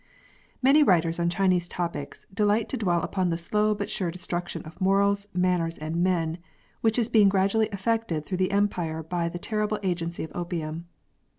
Many writers on Chinese topics delight to dwell upon the slow but sure destruction of morals, manners, and men, which is being gradually effected throughout the Empire by the terrible agency of opium.